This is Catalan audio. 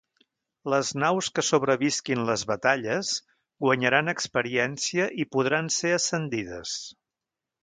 Les naus que sobrevisquin les batalles guanyaran experiència i podran ser ascendides.